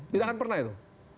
tidak akan pernah itu